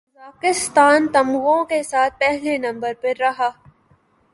Kazakhstan تمغوں کے ساتھ پہلے نمبر پر رہا